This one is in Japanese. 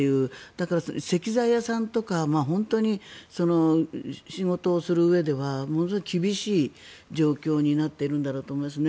だから、石材屋さんとか本当に仕事をするうえではものすごい厳しい状況になっているんだろうと思いますね。